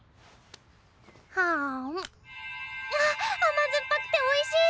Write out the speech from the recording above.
わっあま酸っぱくておいしい！